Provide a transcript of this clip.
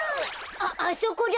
あっあそこだ。